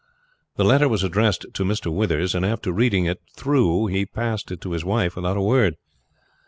The letter was addressed to Mr. Withers, and after reading it through he passed it to his wife without a word.